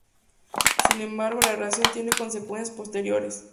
Sin embargo, la relación tiene consecuencias posteriores.